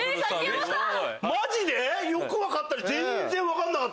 マジで⁉よく分かったね。